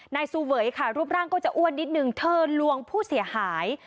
นายสูเวยค่ะรูปร่างก็จะอ้วนนิดนึงเธอลวงผู้เสียหาย